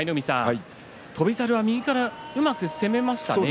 翔猿は右からうまく攻めましたね。